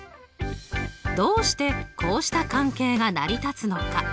どうしてこうした関係が成り立つのか。